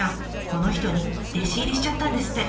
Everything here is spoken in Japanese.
この人に弟子入りしちゃったんですって。